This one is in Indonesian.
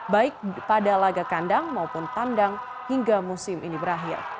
baik pada lagakandang maupun tandang hingga musim ini berakhir